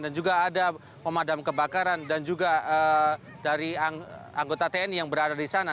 dan juga ada pemadam kebakaran dan juga dari anggota tni yang berada di sana